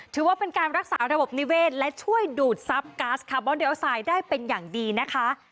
ถือว่าเป็นการรักษาระบบนิเวศและช่วยดูดทรัพย์ก๊าซคาร์บอนเดลไซด์ได้เป็นอย่างดีนะคะ